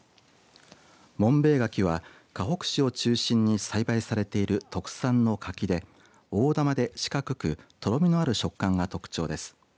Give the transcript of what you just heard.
紋平柿はかほく市を中心に栽培されている特産の柿で大玉で四角くとろみのある食感が特徴です。